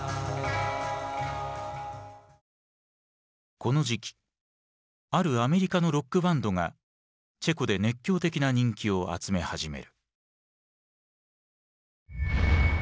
この時期あるアメリカのロックバンドがチェコで熱狂的な人気を集め始める。